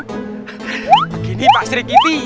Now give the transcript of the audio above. begini pak sri kiti